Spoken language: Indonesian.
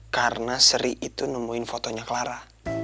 karena sri itu nemuin fotonya clara